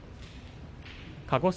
鹿児島